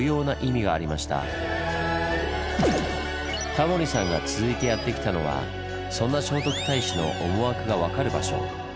タモリさんが続いてやって来たのはそんな聖徳太子の思惑が分かる場所。